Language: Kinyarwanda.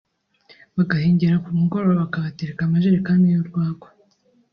bagahengera ku mugoroba bakabatereka amajerekani y’urwagwa